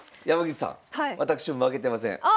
山口さん私も負けてません。